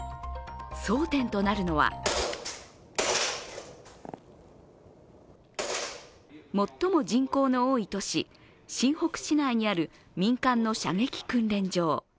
争点となるのは最も人口の多い都市、新北市内にある民間の射撃訓練場。